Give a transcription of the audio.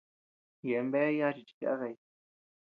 Yeabean bea yachi chi kakay.